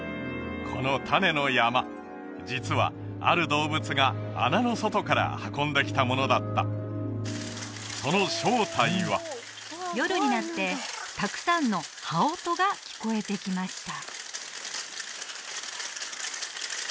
実はある動物が穴の外から運んできたものだったその正体は夜になってたくさんの羽音が聞こえてきました